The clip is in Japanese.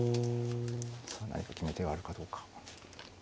さあ何か決め手はあるかどうか。